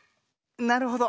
なるほど。